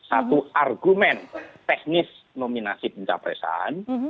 satu argumen teknis nominasi pencapresan